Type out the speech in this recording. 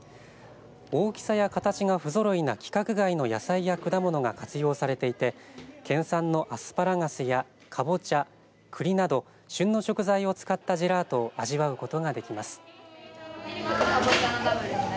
大きさや形がふぞろいな規格外の野菜や果物が活用されていて県産のアスパラガスやかぼちゃ、栗など旬の食材を使ったジェラートを味わうことができます。